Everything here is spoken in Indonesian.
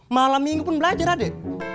malam minggu pun belajar adik